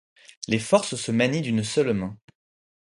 Les forces se manient d'une seule main.